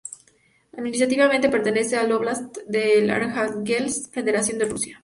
Administrativamente, pertenece al Óblast de Arjánguelsk, Federación de Rusia.